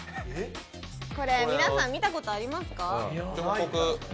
皆さん、見たことありますか？